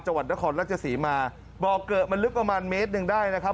จังหวัดนครราชศรีมาบ่อเกอะมันลึกประมาณเมตรหนึ่งได้นะครับ